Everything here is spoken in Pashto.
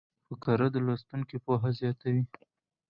فقره د لوستونکي پوهه زیاتوي.